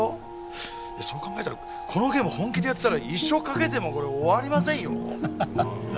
そう考えたらこのゲーム本気でやったら一生かけても終わりませんよ。